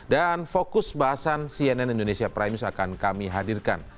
dan fokus bahasan cnn indonesia prime news akan kami hadirkan